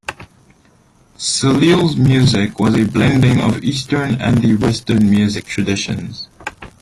Salil's music was a blending of Eastern and the Western music traditions.